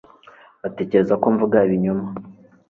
Batekereza ko mvuga ibinyoma